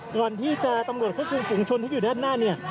ก่อนที่จะตำรวจควบคุมฝุงชนที่อยู่ด้านหน้าเนี่ย